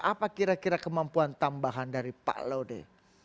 apa kira kira kemampuan tambahan dari pak laude